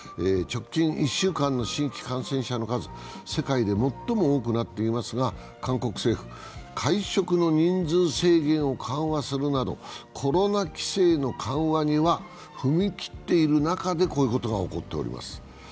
直近１週間の新規感染者の数、世界で最も多くなっていますが、韓国政府、会食の人数制限を緩和するなどコロナ規制の緩和には踏み切っている中で、こういうことが起こっております。